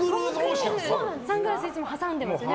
サングラスいつも挟んでますよね。